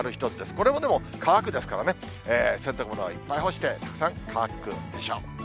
これもでも、乾くですからね、洗濯物はいっぱい干して、たくさん乾くでしょう。